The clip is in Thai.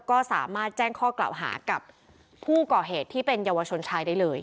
ก็สามารถแจ้งข้อกล่าวหากับผู้ก่อเหตุที่เป็นเยาวชนชายได้เลย